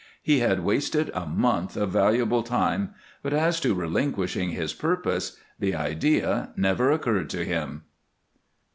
He had wasted a month of valuable time, but as to relinquishing his purpose, the idea never occurred to him.